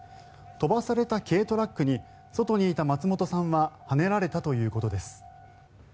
飛ばされた軽トラックに外にいた松本さんははねられたということです。